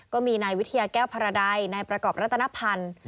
ก็มีนายวิทยาแก้วพารดัยนายประกอบรัตนพันธ์